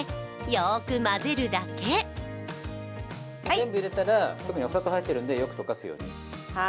全部入れたら、特にお砂糖が入っているのでよく溶かすように。